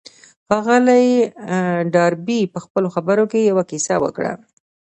ښاغلي ډاربي په خپلو خبرو کې يوه کيسه وکړه.